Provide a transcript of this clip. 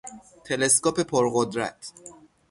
تلسکوپ پرقدرت